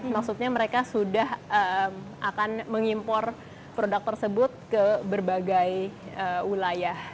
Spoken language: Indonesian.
maksudnya mereka sudah akan mengimpor produk tersebut ke berbagai wilayah